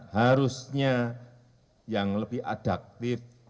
harusnya yang lebih adat